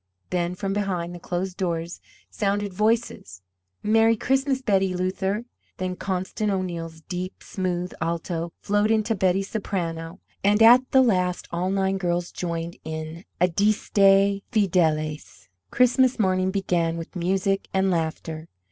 Then from behind the closed doors sounded voices: "Merry Christmas, Betty Luther!" Then Constance O'Neill's deep, smooth alto flowed into Betty's soprano; and at the last all nine girls joined in "Adeste Fideles." Christmas morning began with music and laughter.